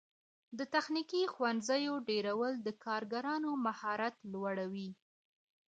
د تخنیکي ښوونځیو ډیرول د کارګرانو مهارت لوړوي.